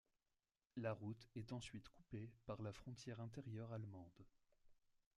La route est ensuite coupée par la frontière intérieure allemande.